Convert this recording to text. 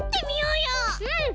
うん！